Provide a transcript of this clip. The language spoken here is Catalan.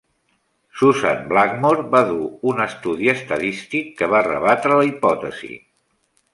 Susan Blackmore va dur un estudi estadístic que va rebatre la hipòtesi.